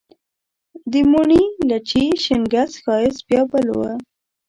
د موڼي، لچي، شینګس ښایست بیا بل و